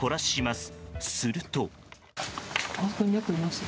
すると。